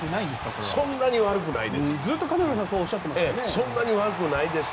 そんなに悪くないです。